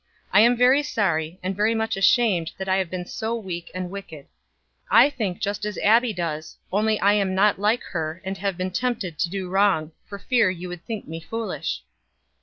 I am very sorry, and very much ashamed that I have been so weak and wicked. I think just as Abbie does, only I am not like her, and have been tempted to do wrong, for fear you would think me foolish."